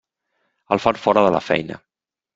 El fan fora de la feina.